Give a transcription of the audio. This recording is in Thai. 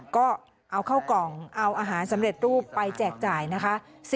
ก็เอาเข้ากล่องเอาอาหารสำเร็จรูปไปแจกจ่ายนะคะ